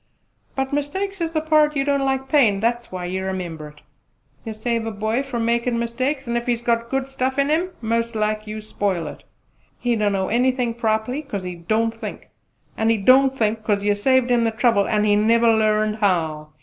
But mistakes is the part you don't like payin': thet's why you remember it. You save a boy from makin' mistakes and ef he's got good stuff in him, most like you spoil it. He don't know anything properly, 'cause he don't think; and he don't think, 'cause you saved him the trouble an' he never learned how!